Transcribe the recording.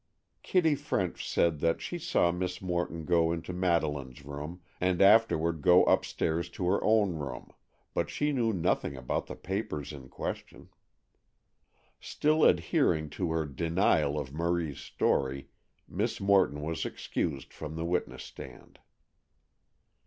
Kitty French said that she saw Miss Morton go into Madeleine's room, and afterward go upstairs to her own room, but she knew nothing about the papers in question. Still adhering to her denial of Marie's story, Miss Morton was excused from the witness stand.